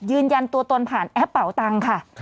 ยืนยันตัวตนผ่านแอปเป่าตังค์ค่ะ